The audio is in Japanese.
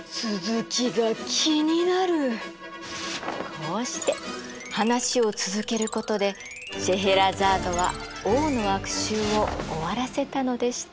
こうして話を続けることでシェエラザードは王の悪習を終わらせたのでした。